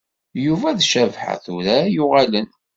Yuba d Cabḥa tura ad uɣalen.